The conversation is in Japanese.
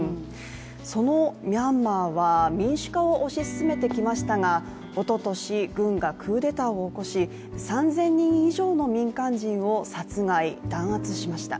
そのミャンマーは民主化を推し進めてきましたがおととし、軍がクーデターを起こし３０００人以上の民間人を殺害・弾圧しました。